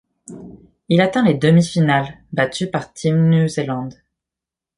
Il atteint les demi-finales, battus par Team New Zealand.